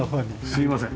すいません。